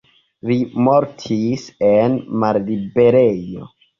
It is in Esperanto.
Li mortis en malliberejo.